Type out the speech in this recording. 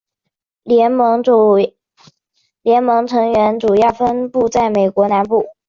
联盟成员主要分布在美国南部。